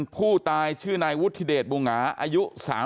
ผู้ตายชื่อนายวุฒิเดชบูหงาอายุ๓๐